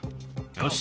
よし。